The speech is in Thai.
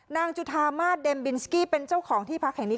จุธามาสเดมบินสกี้เป็นเจ้าของที่พักแห่งนี้